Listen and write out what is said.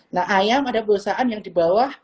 nah ayam ada perusahaan yang di bawah